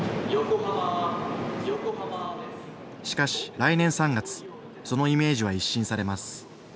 しかし、来年３月、そのイメージは一新されます。